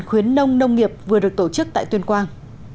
khuyến nông nông nghiệp vừa được tổ chức tại tuyên quang